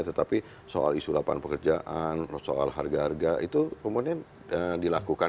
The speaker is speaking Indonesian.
tetapi soal isu lapangan pekerjaan soal harga harga itu kemudian dilakukan